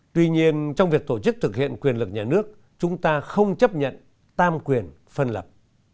tuy nhiên trong việc tổ chức thực hiện quyền lực nhà nước chúng ta không chấp nhận tam quyền phân lập